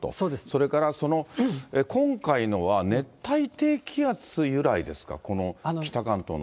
それから今回のは、熱帯低気圧由来ですか、この北関東の。